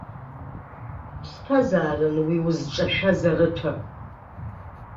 Ԥсҭазааран уи, узҿашәаз арыҭәа.